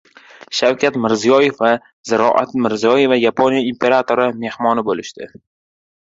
Shavkat Mirziyoyev va Ziroat Mirziyoyeva Yaponiya imperatori mehmoni bo‘lishdi